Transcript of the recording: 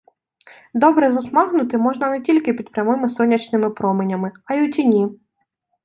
Добре засмагнути можна не тільки під прямими сонячними променями, а й у тіні.